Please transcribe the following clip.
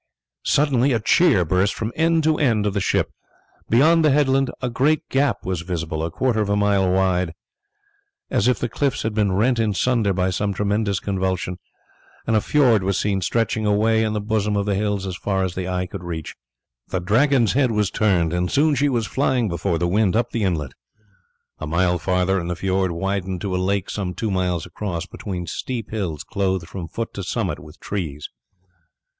Suddenly a cheer burst from end to end of the ship. Beyond the headland a great gap was visible a quarter of a mile wide, as if the cliffs had been rent in sunder by some tremendous convulsion, and a fiord was seen stretching away in the bosom of the hills as far as the eye could reach. The Dragon's head was turned, and soon she was flying before the wind up the inlet. A mile farther and the fiord widened to a lake some two miles across between steep hills clothed from foot to summit with trees.